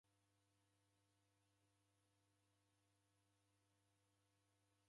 Ni kilongozi urekoghe na w'uing'oni.